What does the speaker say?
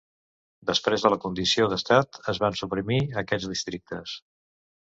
Després de la condició d'Estat, es van suprimir aquests districtes.